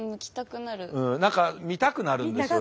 何か見たくなるんですよ